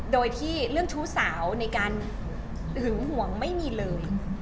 โดยที่เรื่องชู้สาวในการหึงห่วงไม่มีเลย